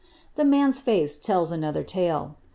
The man's face tells another talc.